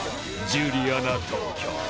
「ジュリアナ東京」